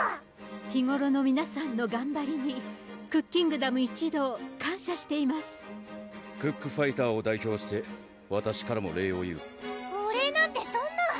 日頃の皆さんのがんばりにクッキングダム一同感謝していますクックファイターを代表してわたしからも礼を言うお礼なんてそんな！